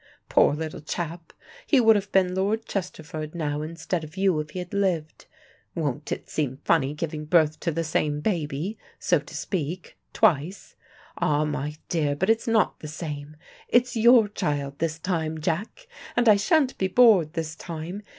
Poor little chap: he would have been Lord Chesterford now instead of you if he had lived. Won't it seem funny giving birth to the same baby, so to speak, twice? Ah, my dear, but it's not the same! It's your child this time, Jack, and I shan't be bored this time.